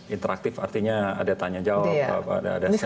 interaktif artinya ada tanya jawab ada sara sara